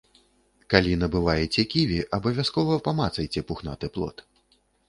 Калі набываеце ківі, абавязкова памацайце пухнаты плод.